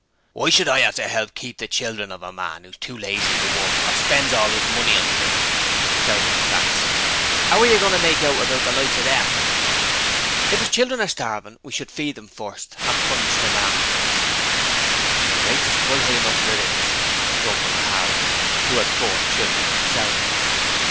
'Why should I 'ave to 'elp to keep the children of a man who's too lazy to work, or spends all 'is money on drink?' shouted Crass. ''Ow are yer goin' to make out about the likes o' them?' 'If his children are starving we should feed them first, and punish him afterwards.' 'The rates is quite high enough as it is,' grumbled Harlow, who had four children himself.